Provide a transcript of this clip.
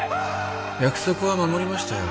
約束は守りましたよ